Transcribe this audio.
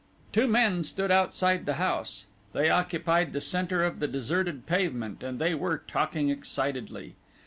Two men stood outside the house. They occupied the centre of the deserted pavement, and they were talking excitedly.